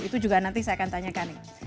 itu juga nanti saya akan tanyakan nih